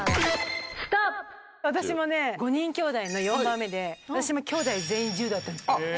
私もね、５人きょうだいの４番目で、私もきょうだい全員、柔道やってあっ、